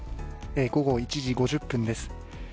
午後１時５０分です。